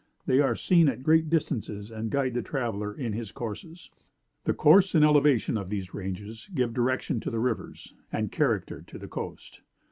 They are seen at great distances and guide the traveler in his courses. "The course and elevation of these ranges give direction to the rivers, and character to the coast.